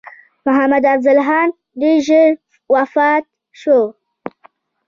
محمدافضل خان ډېر ژر وفات شو.